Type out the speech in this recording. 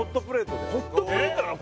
ホットプレートなの？